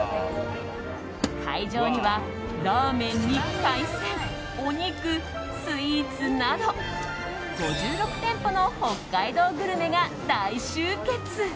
会場にはラーメンに海鮮お肉、スイーツなど５６店舗の北海道グルメが大集結。